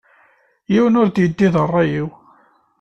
Yiwen ur d-yeddi d rray-iw.